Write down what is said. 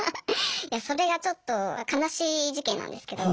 いやそれがちょっと悲しい事件なんですけど。